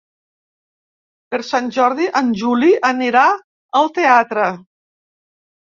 Per Sant Jordi en Juli anirà al teatre.